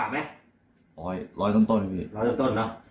ร้อยต้นต้นเหรอ